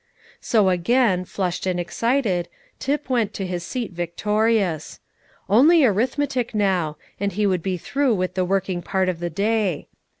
So again, flushed and excited, Tip went to his seat victorious. Only arithmetic now, and he would be through with the working part of the day.